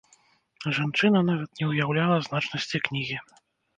Жанчына нават не ўяўляла значнасці кнігі.